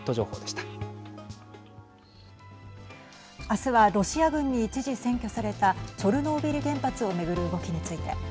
あすはロシア軍に一時占拠されたチョルノービリ原発を巡る動きについて。